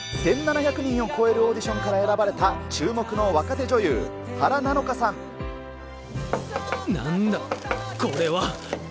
１７００人を超えるオーディションから選ばれた注目の若手女優、なんだ、これは。